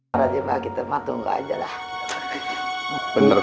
ada di bagi tempat tunggu aja lah bener